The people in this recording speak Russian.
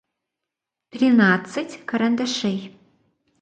тринадцать карандашей